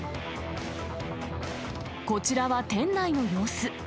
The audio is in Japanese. こちらは店内の様子。